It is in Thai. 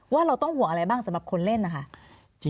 เราต้องห่วงอะไรบ้างสำหรับคนเล่นนะคะ